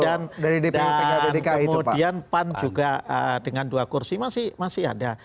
dan kemudian pan juga dengan dua kursi masih ada